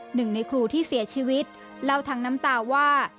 หนึ่งในครูที่เสียชีวิตเล่าทั้งน้ำตาว่า